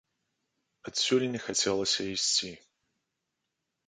Адсюль не хацелася ісці.